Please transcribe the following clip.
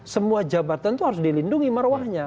semua jabatan itu harus dilindungi marwahnya